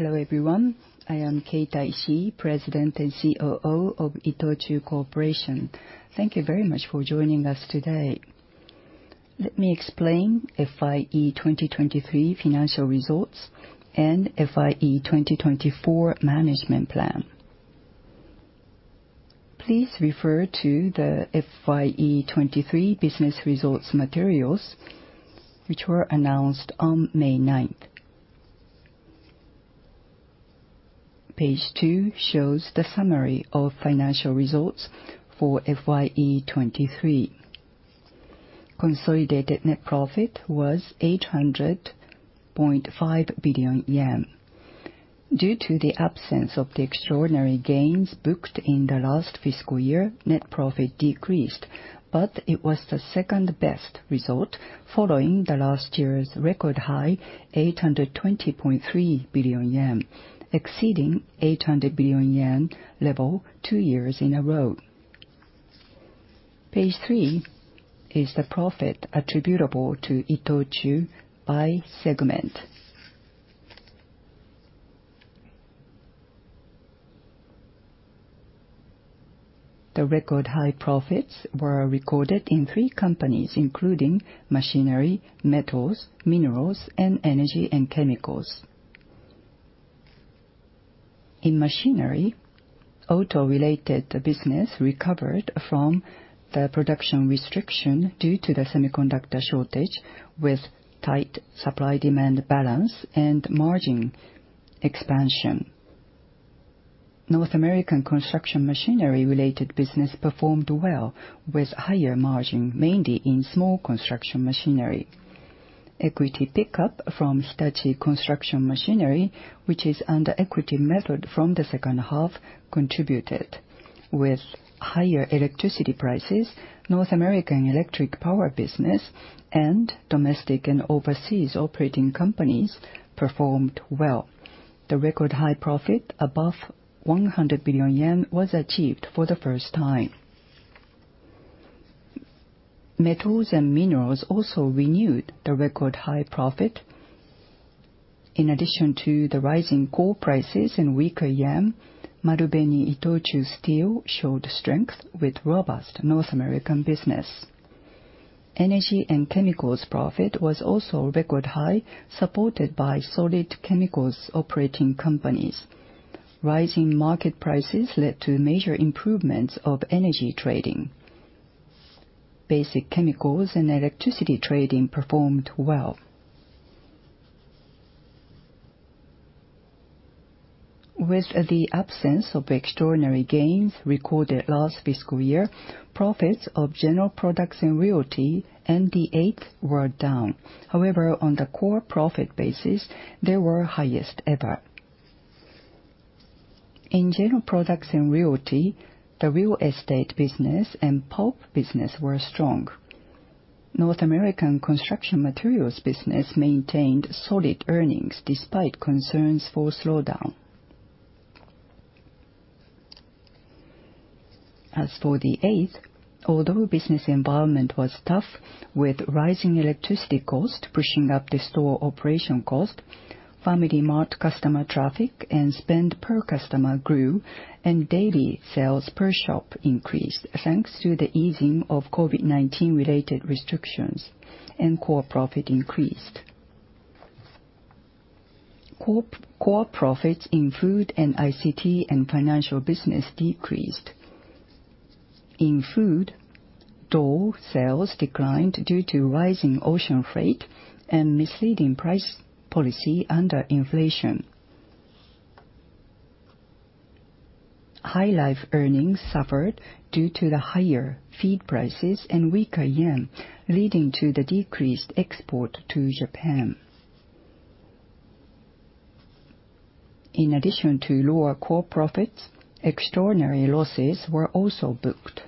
Hello, everyone. I am Keita Ishii, President and COO of ITOCHU Corporation. Thank you very much for joining us today. Let me explain FYE 2023 financial results and FYE 2024 management plan. Please refer to the FYE 2023 business results materials, which were announced on May ninth. Page two shows the summary of financial results for FYE 2023. Consolidated net profit was 800.5 billion yen. Due to the absence of the extraordinary gains booked in the last fiscal year, net profit decreased, but it was the second-best result following the last year's record high, 820.3 billion yen, exceeding 800 billion yen level two years in a row. Page three is the profit attributable to ITOCHU by segment. The record-high profits were recorded in three companies, including Machinery, Metals & Minerals, and Energy & Chemicals. In machinery, auto-related business recovered from the production restriction due to the semiconductor shortage with tight supply-demand balance and margin expansion. North American construction machinery related business performed well with higher margin, mainly in small construction machinery. Equity pickup from Hitachi Construction Machinery, which is under equity method from the second half, contributed. With higher electricity prices, North American electric power business and domestic and overseas operating companies performed well. The record high profit above 100 billion yen was achieved for the first time. Metals & Minerals also renewed the record high profit. In addition to the rising coal prices and weaker JPY, Marubeni-Itochu Steel showed strength with robust North American business. Energy & Chemicals profit was also record high, supported by solid chemicals operating companies. Rising market prices led to major improvements of energy trading. Basic chemicals and electricity trading performed well. With the absence of extraordinary gains recorded last fiscal year, profits of General Products & Realty and The 8th Company were down. On the Core profit basis, they were highest ever. In General Products & Realty, the real estate business and pulp business were strong. North American construction materials business maintained solid earnings despite concerns for slowdown. As for The 8th Company, although business environment was tough with rising electricity cost pushing up the store operation cost, FamilyMart customer traffic and spend per customer grew, and daily sales per shop increased, thanks to the easing of COVID-19 related restrictions, and Core profit increased. Core profits in food and ICT and financial business decreased. In food, Dole sales declined due to rising ocean freight and misleading price policy under inflation. HyLife earnings suffered due to the higher feed prices and weaker yen, leading to the decreased export to Japan. In addition to lower core profits, extraordinary losses were also booked.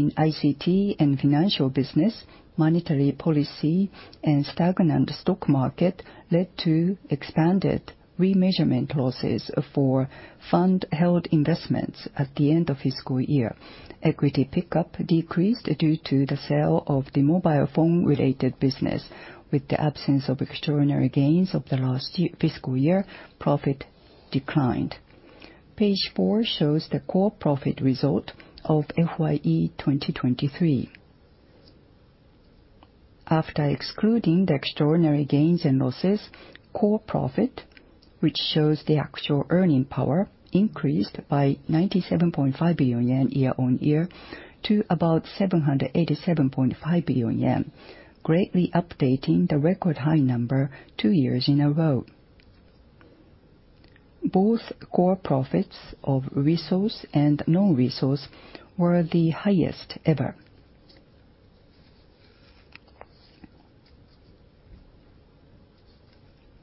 In ICT and financial business, monetary policy and stagnant stock market led to expanded remeasurement losses for fund-held investments at the end of fiscal year. Equity pickup decreased due to the sale of the mobile phone related business. With the absence of extraordinary gains of the last fiscal year, profit declined. Page four shows the core profit result of FYE 2023. After excluding the extraordinary gains and losses, core profit, which shows the actual earning power, increased by 97.5 billion yen year-on-year to about 787.5 billion yen, greatly updating the record high number two years in a row. Both core profits of resource and non-resource were the highest ever.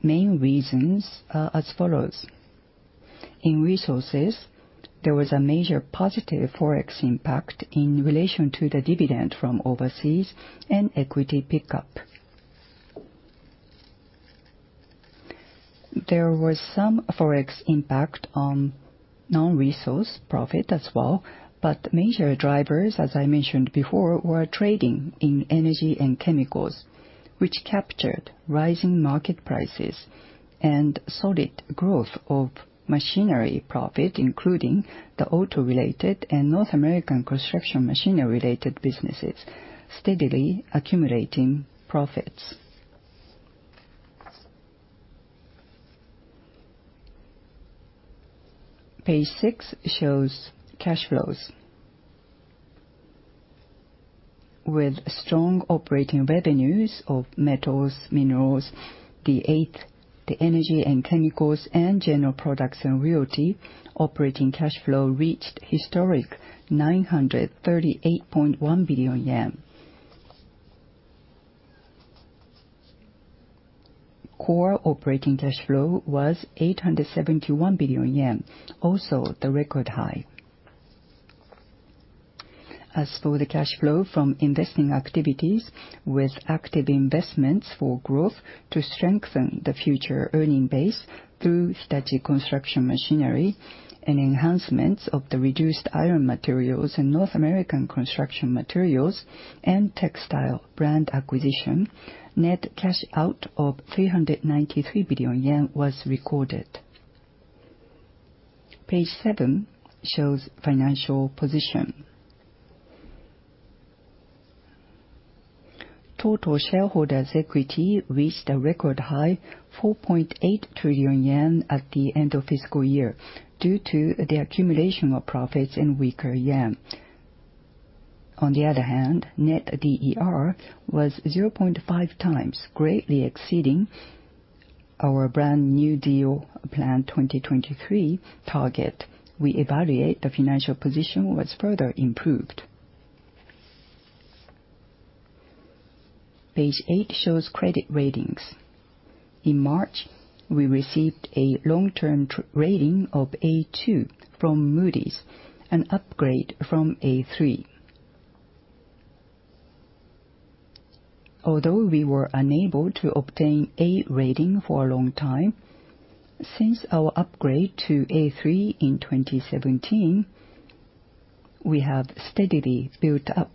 Main reasons are as follows. In resources, there was a major positive Forex impact in relation to the dividend from overseas and equity pickup. There was some Forex impact on non-resource profit as well, but major drivers, as I mentioned before, were trading in Energy & Chemicals, which captured rising market prices and solid growth of Machinery profit, including the auto-related and North American construction machinery-related businesses, steadily accumulating profits. Page 6 shows cash flows. With strong operating revenues of Metals & Minerals, The 8th Company, the Energy and Chemicals, and General Products & Realty, operating cash flow reached historic 938.1 billion yen. Core operating cash flow was 871 billion yen, also the record high. As for the cash flow from investing activities, with active investments for growth to strengthen the future earning base through Hitachi Construction Machinery and enhancements of the reduced iron materials and North American construction materials and textile brand acquisition, net cash out of 393 billion yen was recorded. Page 7 shows financial position. Total shareholders' equity reached a record high, 4.8 trillion yen at the end of fiscal year, due to the accumulation of profits and weaker yen. On the other hand, Net DER was 0.5x, greatly exceeding our Brand-new Deal Plan 2023 target. We evaluate the financial position was further improved. Page 8 shows credit ratings. In March, we received a long-term rating of A2 from Moody's, an upgrade from A3. Although we were unable to obtain A rating for a long time, since our upgrade to A3 in 2017, we have steadily built up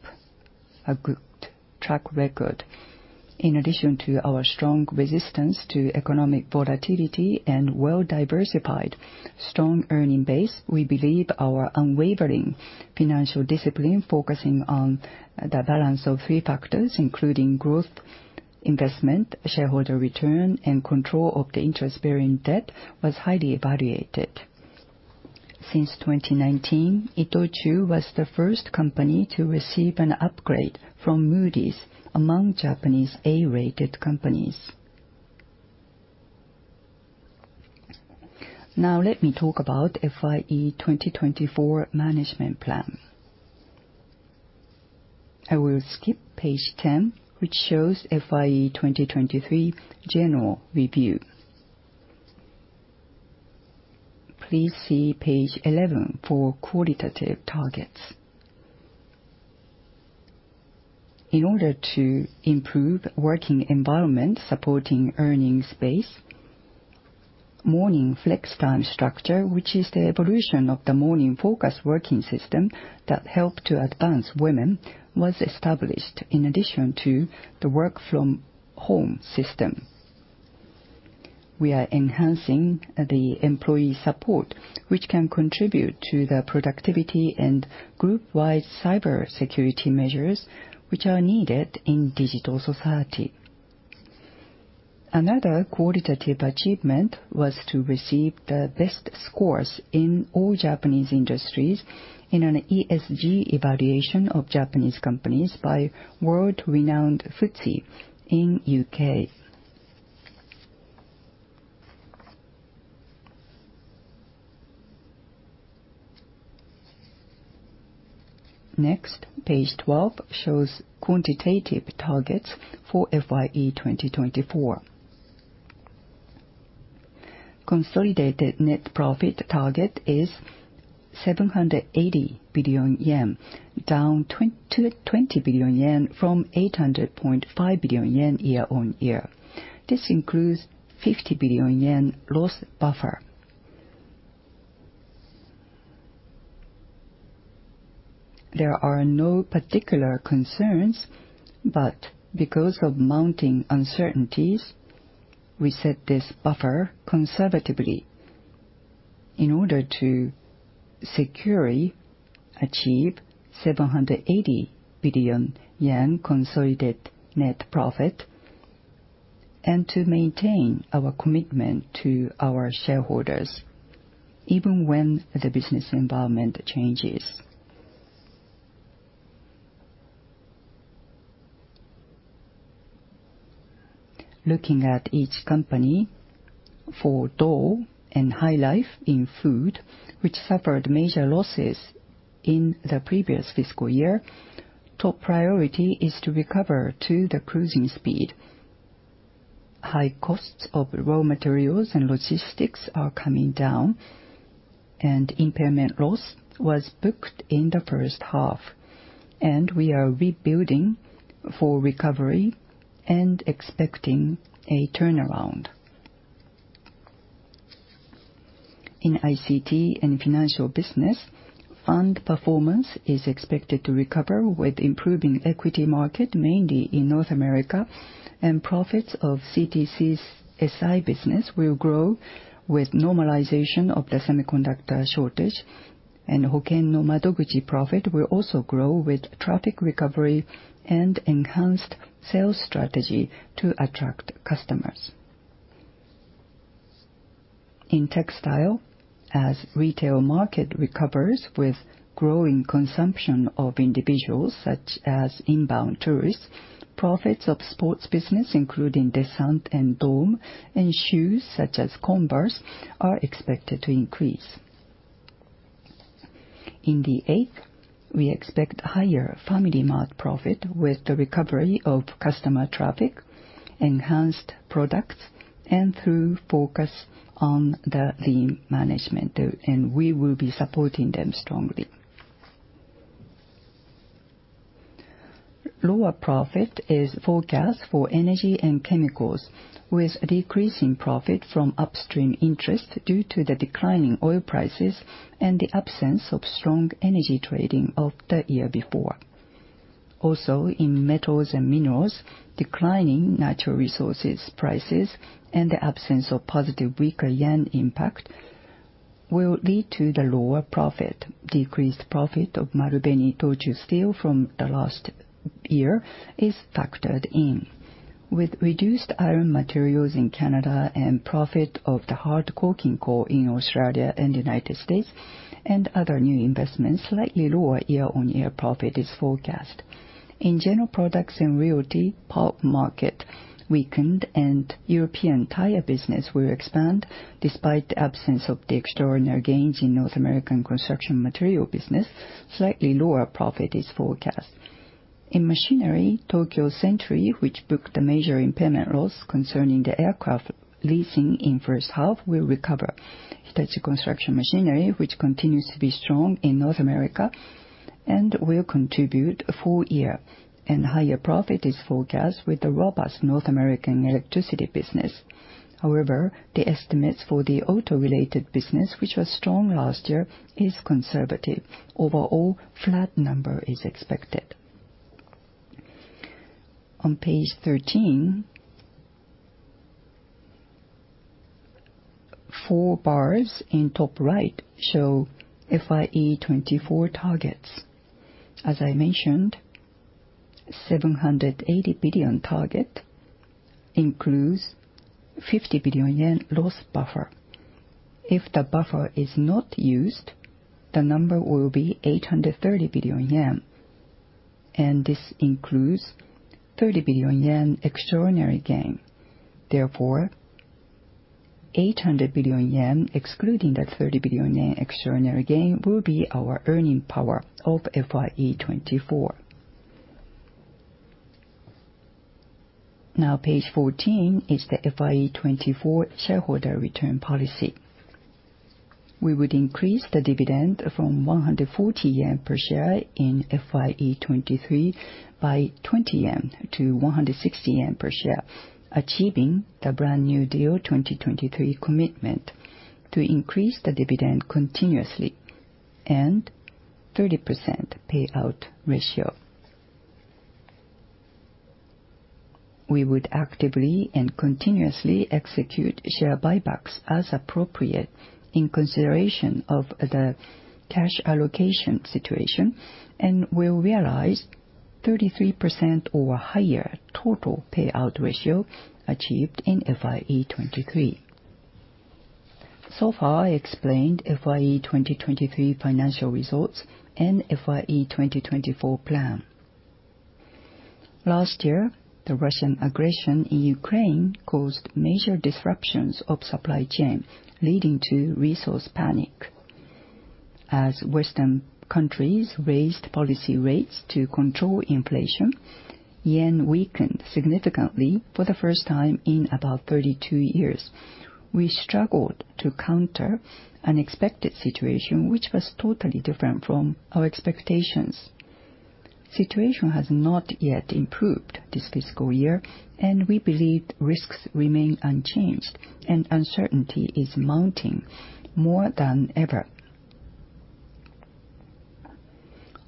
a good track record. In addition to our strong resistance to economic volatility and well-diversified strong earning base, we believe our unwavering financial discipline focusing on the balance of three factors, including growth, investment, shareholder return, and control of the interest-bearing debt, was highly evaluated. Since 2019, ITOCHU was the first company to receive an upgrade from Moody's among Japanese A-rated companies. Let me talk about FYE 2024 management plan. I will skip page 10, which shows FYE 2023 general review. Please see page 11 for qualitative targets. In order to improve working environment supporting earnings base, morning flex-time structure, which is the evolution of the Morning-Focused Working System that help to advance women, was established in addition to the work from home system. We are enhancing the employee support, which can contribute to the productivity and group-wide cyber security measures, which are needed in digital society. Another qualitative achievement was to receive the best scores in all Japanese industries in an ESG evaluation of Japanese companies by world-renowned FTSE in the U.K. Next, page 12 shows quantitative targets for FYE 2024. Consolidated net profit target is 780 billion yen, down to 20 billion yen from 800.5 billion yen year-on-year. This includes 50 billion yen loss buffer. There are no particular concerns, but because of mounting uncertainties, we set this buffer conservatively in order to securely achieve 780 billion yen consolidated net profit and to maintain our commitment to our shareholders even when the business environment changes. Looking at each company, for Dole and HyLife in food, which suffered major losses in the previous fiscal year, top priority is to recover to the cruising speed. High costs of raw materials and logistics are coming down. Impairment loss was booked in the fIrst half, and we are rebuilding for recovery and expecting a turnaround. In ICT and financial business, fund performance is expected to recover with improving equity market, mainly in North America. Profits of CTC's SI business will grow with normalization of the semiconductor shortage. Hoken no Madoguchi profit will also grow with traffic recovery and enhanced sales strategy to attract customers. In textile, as retail market recovers with growing consumption of individuals, such as inbound tourists, profits of sports business, including Descente and DOME, and shoes such as Converse, are expected to increase. In The 8th, we expect higher FamilyMart profit with the recovery of customer traffic, enhanced products, and through focus on the lean management, and we will be supporting them strongly. Lower profit is forecast for Energy and Chemicals, with a decrease in profit from upstream interest due to the declining oil prices and the absence of strong energy trading of the year before. Also, in Metals and Minerals, declining natural resources prices and the absence of positive weaker yen impact will lead to the lower profit. Decreased profit of Marubeni-Itochu Steel from the last year is factored in. With reduced iron materials in Canada and profit of the hard coking coal in Australia and United States and other new investments, slightly lower year-on-year profit is forecast. In General Products & Realty, pulp market weakened and European tire business will expand despite the absence of the extraordinary gains in North American construction material business, slightly lower profit is forecast. In machinery, Tokyo Century, which booked a major impairment loss concerning the aircraft leasing in first half, will recover. Hitachi Construction Machinery, which continues to be strong in North America and will contribute full year. Higher profit is forecast with the robust North American electricity business. However, the estimates for the auto-related business, which was strong last year, is conservative. Overall, flat number is expected. On page 13, four bars in top right show FYE 2024 targets. As I mentioned, 780 billion target includes 50 billion yen loss buffer. If the buffer is not used, the number will be 830 billion yen, and this includes 30 billion yen extraordinary gain. Therefore, 800 billion yen, excluding the 30 billion yen extraordinary gain, will be our earning power of FYE 2024. Now page 14 is the FYE 2024 shareholder return policy. We would increase the dividend from 140 yen per share in FYE 2023 by 20 yen to 160 yen per share, achieving the Brand-new Deal 2023 commitment to increase the dividend continuously and 30% payout ratio. We would actively and continuously execute share buybacks as appropriate in consideration of the cash allocation situation and will realize 33% or higher total payout ratio achieved in FYE 2023. So far, I explained FYE 2023 financial results and FYE 2024 plan. Last year, the Russian aggression in Ukraine caused major disruptions of supply chain, leading to resource panic. As Western countries raised policy rates to control inflation, yen weakened significantly for the first time in about 32 years. We struggled to counter unexpected situation which was totally different from our expectations. Situation has not yet improved this fiscal year, and we believe risks remain unchanged, and uncertainty is mounting more than ever.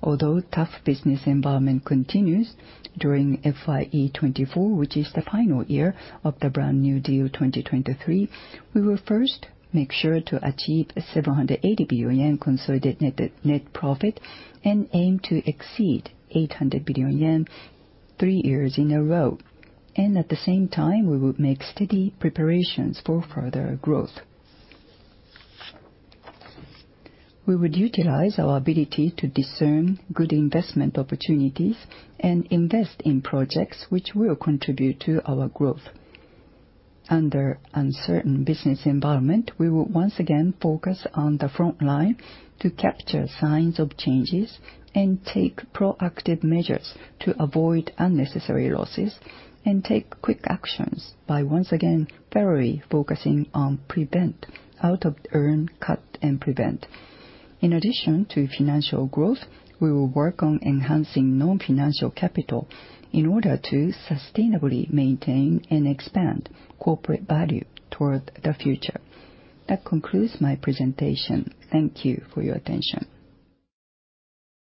Although tough business environment continues during FYE 2024, which is the final year of the Brand-new Deal 2023, we will first make sure to achieve 780 billion yen consolidated net profit and aim to exceed 800 billion yen three years in a row. At the same time, we will make steady preparations for further growth. We would utilize our ability to discern good investment opportunities and invest in projects which will contribute to our growth. Under uncertain business environment, we will once again focus on the front line to capture signs of changes and take proactive measures to avoid unnecessary losses and take quick actions by once again thoroughly focusing on prevent out of earn, cut, and prevent. In addition to financial growth, we will work on enhancing non-financial capital in order to sustainably maintain and expand corporate value toward the future. That concludes my presentation. Thank you for your attention.